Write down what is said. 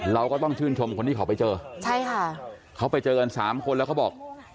เราก็ต้องชื่นชมคนที่เขาไปเจอใช่ค่ะเขาไปเจอกันสามคนแล้วเขาบอก